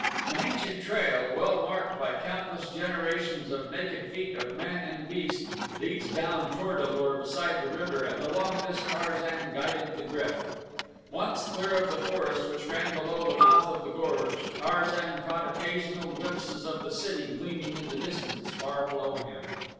An ancient trail, well marked by countless generations of naked feet of man and beast, leads down toward A lur beside the river, and along this Tarzan guided the GRYF. Once clear of the forest which ran below the mouth of the gorge, Tarzan caught occasional glimpses of the city gleaming in the distance far below him.